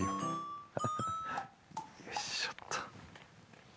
よいしょっと。